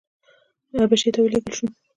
حبشې ته ولېږل شو.